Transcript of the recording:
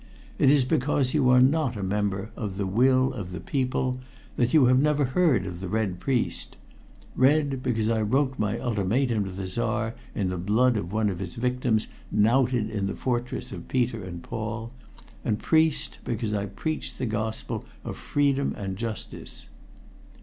It is because you are not a member of 'The Will of the People,' that you have never heard of 'The Red Priest' red because I wrote my ultimatum to the Czar in the blood of one of his victims knouted in the fortress of Peter and Paul, and priest because I preach the gospel of freedom and justice."